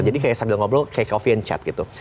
jadi kayak sambil ngobrol kayak coffee and chat gitu